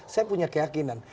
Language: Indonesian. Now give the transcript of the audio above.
saya punya keyakinan